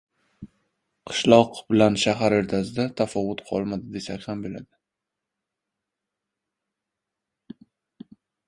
Qishloq bilan shahar o‘rtasida tafovut qolmadi, desak ham bo‘ladi.